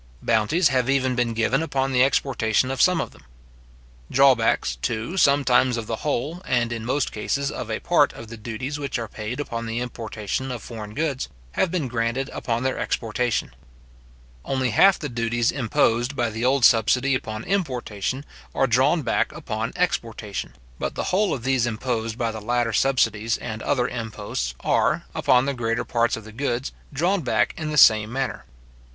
Bounties have even been given upon the exportation of some of them. Drawbacks, too, sometimes of the whole, and, in most cases, of a part of the duties which are paid upon the importation of foreign goods, have been granted upon their exportation. Only half the duties imposed by the old subsidy upon importation, are drawn back upon exportation; but the whole of those imposed by the latter subsidies and other imposts are, upon the greater parts of the goods, drawn back in the same manner.